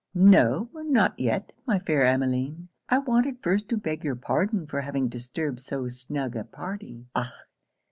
'No, not yet, my fair Emmeline. I wanted first to beg your pardon for having disturbed so snug a party. Ah!